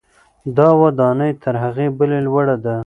دا ودانۍ تر هغې بلې لوړه ده.